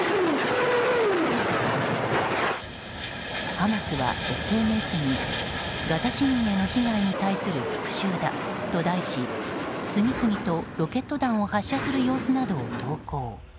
ハマスはＳＮＳにガザ市民への避難に対する復讐だと題し次々とロケット弾を発射する様子などを投稿。